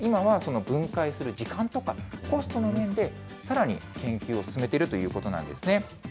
今はその分解する時間とかコストの面で、さらに研究を進めているということなんですね。